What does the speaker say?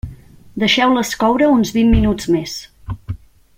Deixeu-les coure uns vint minuts més.